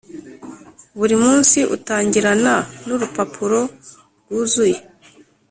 buri munsi utangirana nurupapuro rwuzuye.